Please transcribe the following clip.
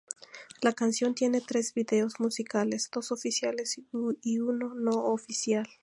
La canción tiene tres videos musicales: dos oficiales y uno no oficial.